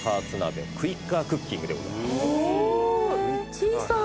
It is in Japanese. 小さい。